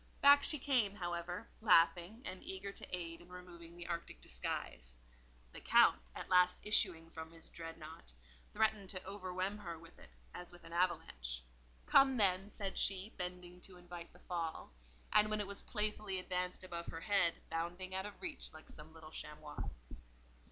Back she came, however, laughing, and eager to aid in removing the arctic disguise. The Count, at last issuing from his dreadnought, threatened to overwhelm her with it as with an avalanche. "Come, then," said she, bending to invite the fall, and when it was playfully advanced above her head, bounding out of reach like some little chamois.